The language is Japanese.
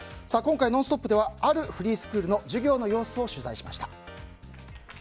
今回、「ノンストップ！」ではあるフリースクールの授業の様子を取材しました。